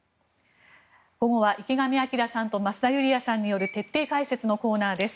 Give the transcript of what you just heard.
午後は池上彰さんと増田ユリヤさんによる徹底解説のコーナーです。